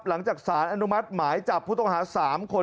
หลังจากสารอนุมัติหมายจับผู้ต้องหา๓คน